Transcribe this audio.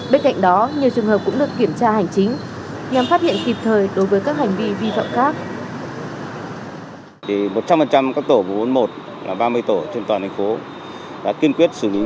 bên cạnh đó nhiều trường hợp cũng được kiểm tra hành chính nhằm phát hiện kịp thời đối với các hành vi vi phạm khác